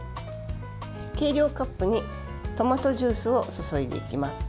計量カップにトマトジュースを注いでいきます。